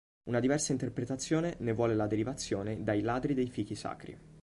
Una diversa interpretazione ne vuole la derivazione dai ladri dei fichi sacri.